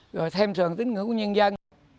rồi xem thường tính ngưỡng của nhân dân